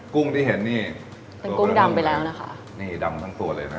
กินเสร็จแล้วเป็นอย่างไรคะ